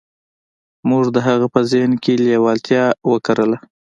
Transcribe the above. موږ د هغه په ذهن کې لېوالتیا وکرله.